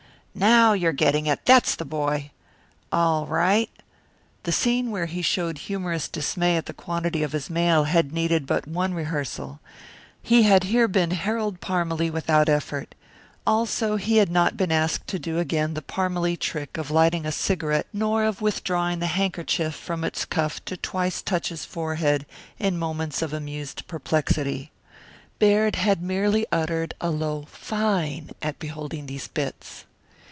Now you're getting it that's the boy! All right " The scene where he showed humorous dismay at the quantity of his mail had needed but one rehearsal. He had here been Harold Parmalee without effort. Also he had not been asked to do again the Parmalee trick of lighting a cigarette nor of withdrawing the handkerchief from its cuff to twice touch his forehead in moments of amused perplexity. Baird had merely uttered a low "Fine!" at beholding these bits.